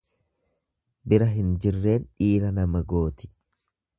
Bira hin jirreen dhiira nama gooti.